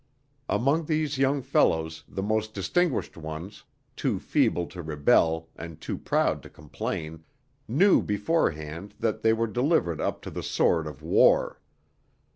Among these young fellows the most distinguished ones, too feeble to rebel and too proud to complain, knew beforehand that they were delivered up to the sword of war.